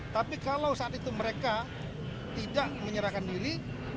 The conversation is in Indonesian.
tapi kalau saat itu mereka tidak menyerahkan diri